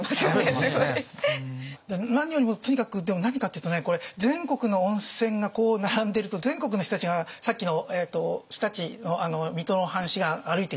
何よりもとにかく何かっていうとね全国の温泉が並んでると全国の人たちがさっきの常陸の水戸の藩士が歩いていくって。